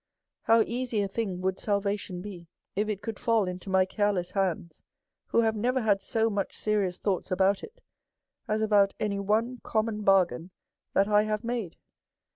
How easy a thing would salvation be, if it could fall into my care less hands, who have never had so much serious thouglits about it, as about any one common barg ain that I have made